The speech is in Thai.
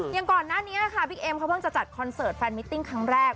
อย่างก่อนหน้านี้นะคะบิ๊กเอ็มเขาเพิ่งจะจัดคอนเสิร์ตแฟนมิตติ้งครั้งแรก